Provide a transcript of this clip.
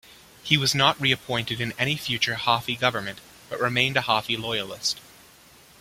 He was not re-appointed in any future Haughey government but remained a Haughey loyalist.